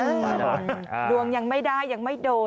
ดวงยังไม่ได้ยังไม่โดน